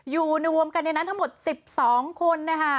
อยู่ในวงกันในนั้นทั้งหมด๑๒คน